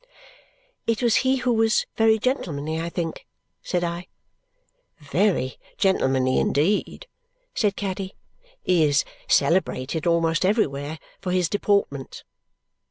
"It was he who was very gentlemanly, I think!" said I. "Very gentlemanly indeed," said Caddy. "He is celebrated almost everywhere for his deportment."